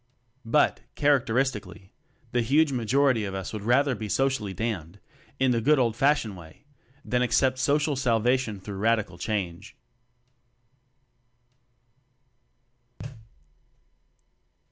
But, characteristically, the huge majority of us would rather be socially damned in the good old fashioned way, than accept social salvation through radical change.